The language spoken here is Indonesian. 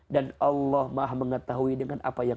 dan allah maaf mengetahui dengan apa yang